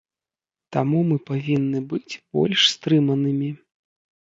Таму мы павінны быць больш стрыманымі.